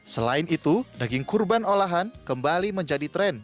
selain itu daging kurban olahan kembali menjadi tren